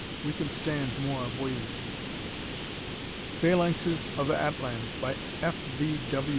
We can stand more of Williamson. "Phalanxes of Atlans," by F. V. W.